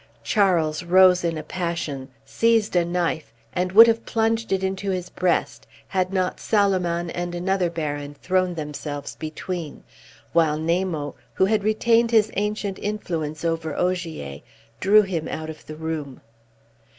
Charles rose in a passion, seized a knife, and would have plunged it into his breast, had not Salomon and another baron thrown themselves between, while Namo, who had retained his ancient influence over Ogier, drew him out of the room.